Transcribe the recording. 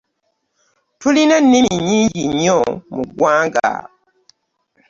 tulina ennimi nnyingi nnyo mu ggwanga